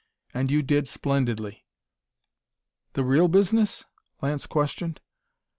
And you did splendidly!" "The real business?" Lance questioned.